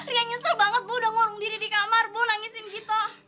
ria nyesel banget bu udah ngorong diri di kamar bu nangisin gitu